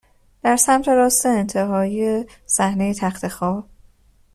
در سمت راست انتهایی صحنه تخت خواب